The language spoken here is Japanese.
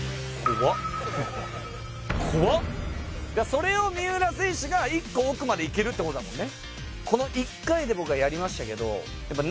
それを三浦選手が、一個奥まで行けるってことだもんね。